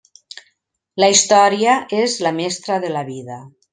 La història és la mestra de la vida.